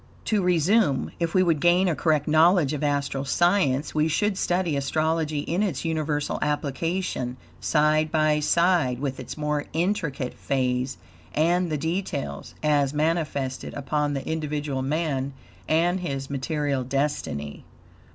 To resume. If we would gain a correct knowledge of astral science we should study astrology in its universal application, side by side with its more intricate phase and the details, as manifested upon the individual man and his material destiny.